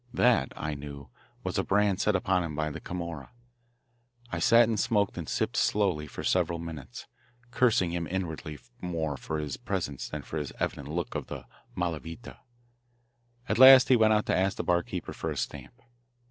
That, I knew, was a brand set upon him by the Camorra. I sat and smoked and sipped slowly for several minutes, cursing him inwardly more for his presence than for his evident look of the "mala vita." At last he went out to ask the barkeeper for a stamp.